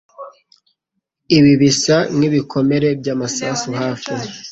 Ibi bisa nkibikomere byamasasu hafi.